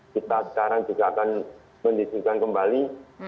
kita sekarang juga akan mendistribusikan kembali